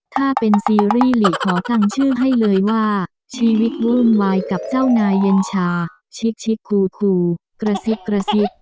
ถ้าเป็นซีรีส์หลีขอตั้งชื่อให้เลยว่าชีวิตวุ่นวายกับเจ้านายเย็นชาชิคคูกระซิบกระซิบ